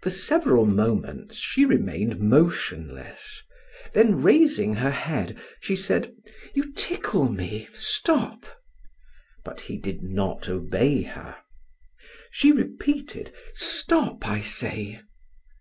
For several moments she remained motionless, then raising her head, she said: "You tickle me, stop!" But he did not obey her. She repeated: "Stop, I say!"